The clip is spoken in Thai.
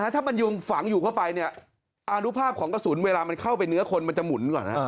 ถ้ามันฝังอยู่เข้าไปอารุภาพของกระสุนเวลาเข้้าไปเนื้อคนมันจะหมุนกว่านะ